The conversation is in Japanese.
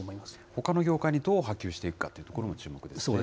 ほかの業界にどう波及していくかというところも注目ですね。